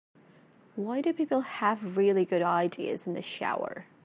Why do people have really good ideas in the shower?